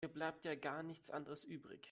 Ihr bleibt ja gar nichts anderes übrig.